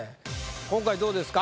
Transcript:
今回どうですか？